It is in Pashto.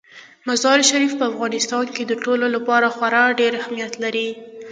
مزارشریف په افغانستان کې د ټولو لپاره خورا ډېر اهمیت لري.